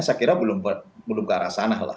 saya kira belum ke arah sana lah